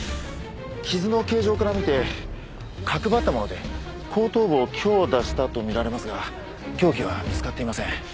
傷の形状から見て角張ったもので後頭部を強打したとみられますが凶器は見つかっていません。